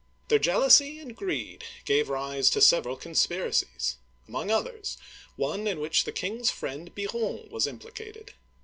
Their jealousy and greed gave rise to several conspiracies, among others, one in which the king's friend Biron was implicated.